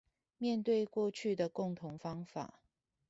面對過去的共同方法